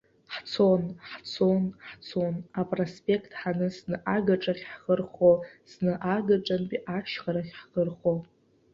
Ҳцон, ҳцон, ҳцон апроспеқт ҳанысны агаҿахь ҳхы рхо, зны агаҿантәи ашьхарахь ҳхы рхо.